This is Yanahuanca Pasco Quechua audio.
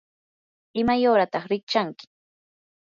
¿imay uurataq rikchanki?